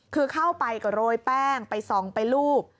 คือเข้าไปก็โรยแป้งไปส่องไปรูป